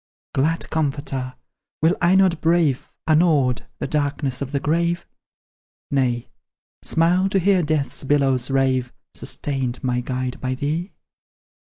Glad comforter! will I not brave, Unawed, the darkness of the grave? Nay, smile to hear Death's billows rave Sustained, my guide, by thee?